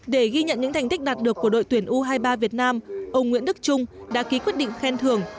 để ghi nhận những thành tích đạt được của đội tuyển u hai mươi ba việt nam ông nguyễn đức trung đã ký quyết định khen thưởng